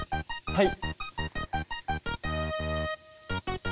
はい。